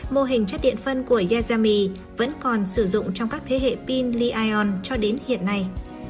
mô hình chất điện phân của yazami vẫn còn sử dụng trong các thế hệ pin lion cho đến hiện nay